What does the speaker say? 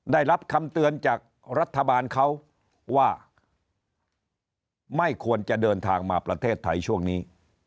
ได้รับคำเตือนจากรัฐบาลเขาว่าไม่ควรจะเดินทางมาประเทศไทยช่วงนี้